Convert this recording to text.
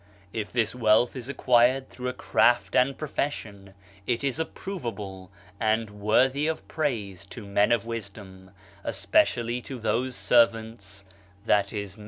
If this wealth is acquired through a craft and profession, it is approvable and worthy of praise to men of wisdom, especially to those servants (i.e.